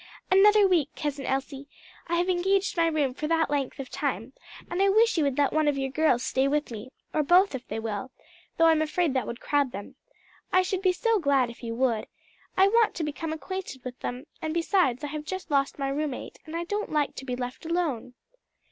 "Another week, Cousin Elsie; I have engaged my room for that length of time: and I wish you would let one of your girls stay with me, or both if they will, though I'm afraid that would crowd them. I should be so glad if you would. I want to become acquainted with them: and besides I have just lost my roommate, and don't like to be left alone."